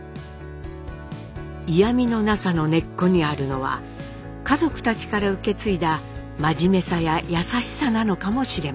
嫌みのなさの根っこにあるのは家族たちから受け継いだ真面目さや優しさなのかもしれません。